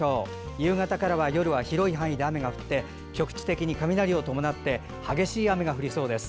夕方から夜は広い範囲で雨が降り局地的に雷を伴って激しい雨が降りそうです。